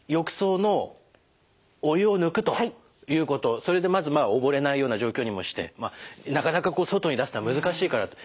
それでまずまあ溺れないような状況にもしてなかなかこう外に出すのは難しいから。